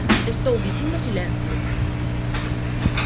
¡Estou dicindo silencio!